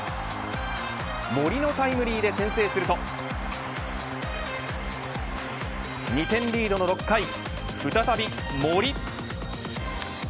森のタイムリーで先制すると２点リードの６回再び森。